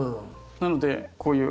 なのでこういう。